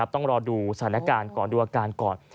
ต้องรอดูสถานการณ์ก่อนดูอาการก่อน